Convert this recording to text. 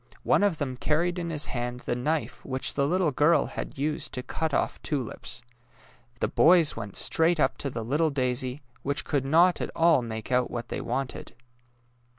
One of them carried in his hand the knife which the little girl had used to cut off tulips. The boys went straight up to the little daisy, which could not at all make out what they wanted.